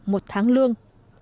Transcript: một tháng lương